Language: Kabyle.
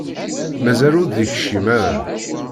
Mazal ur d-ikcim ara.